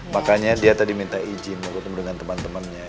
makanya dia tadi minta izin mau ketemu dengan teman temannya